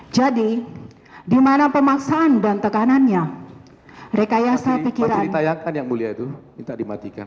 jadi dimana pemaksaan dan tekanannya rekayasa pikiran yang mulia itu minta dimatikan